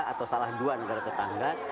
atau salah dua negara tetangga